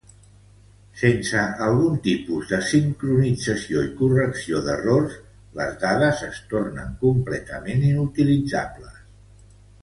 Sense algun tipus de sincronització i correcció d'errors, les dades es tornen completament inutilitzables.